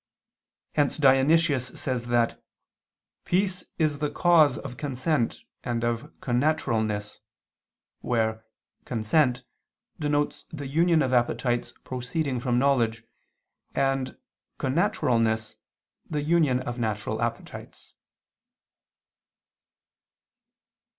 Hence Dionysius says that "peace is the cause of consent and of connaturalness," where "consent" denotes the union of appetites proceeding from knowledge, and "connaturalness," the union of natural appetites.